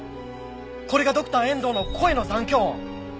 これがドクター遠藤の声の残響音！